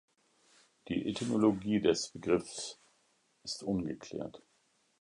Die Etymologie des Begriffs ist ungeklärt.